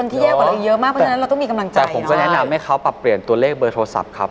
เพราะฉะนั้นเราต้องมีกำลังใจแต่ผมจะแนะนำให้เขาปรับเปลี่ยนตัวเลขเบอร์โทรศัพท์ครับ